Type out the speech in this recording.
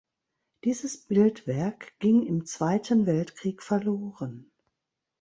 Dieses Bildwerk ging im Zweiten Weltkrieg verloren.